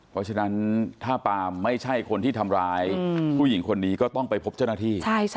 เพราะฉะนั้นถ้าปามไม่ใช่คนที่ทำร้ายผู้หญิงคนนี้ก็ต้องไปพบเจ้าหน้าที่